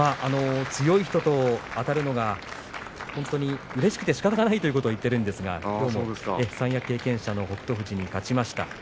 強い人とあたるのが本当にうれしくてしかたがないということを言っているんですが三役経験者の北勝富士に勝ちました。